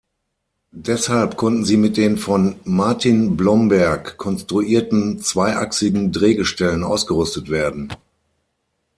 Deshalb konnten sie mit den von Martin Blomberg konstruierten zweiachsigen Drehgestellen ausgerüstet werden.